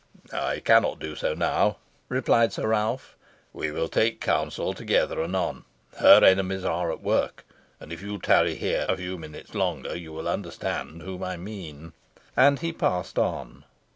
"I cannot do so now," replied Sir Ralph. "We will take counsel together anon. Her enemies are at work; and, if you tarry here a few minutes longer, you will understand whom I mean." And he passed on.